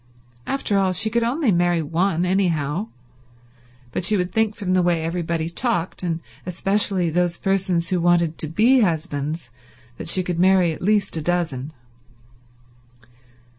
After all, she could only marry one, anyhow; but you would think from the way everybody talked, and especially those persons who wanted to be husbands, that she could marry at least a dozen.